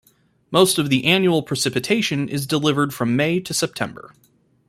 Most of the annual precipitation is delivered from May to September.